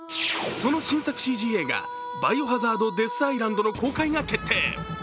その新作ＣＧ映画「バイオハザード：デスアイランド」の公開が決定。